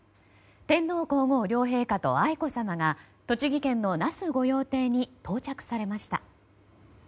天皇・皇后両陛下と愛子さまが栃木県の那須御用邸に到着されました。